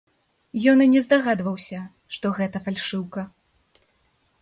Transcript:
Ён і не здагадваўся, што гэта фальшыўка.